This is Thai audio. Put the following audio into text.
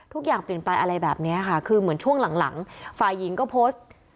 ทุกอย่างเปลี่ยนไปอะไรแบบนี้ค่ะคือเหมือนช่วงหลังฝ่ายหญิงก็โพสต์